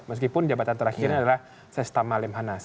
meskipun jabatan terakhirnya adalah sestama lemhanas